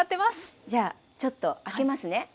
じゃあちょっと開けますね。